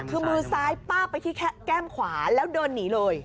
คือมือซ้ายป้าไปที่แก้มขวาแล้วเดินหนีเลย